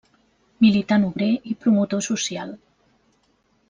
Militant obrer i promotor social.